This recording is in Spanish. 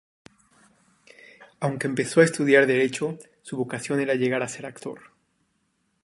Aunque empezó a estudiar derecho, su vocación era llegar a ser actor.